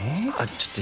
ちょっと。